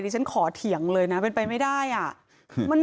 ฉันขอเถียงเลยนะเป็นไปไม่ได้อ่ะ